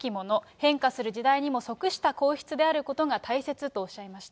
変化する時代にも即した皇室であることが大切とおっしゃいました。